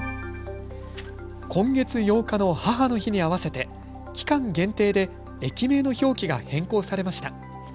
今月８日の母の日に合わせて期間限定で駅名の表記が変更されました。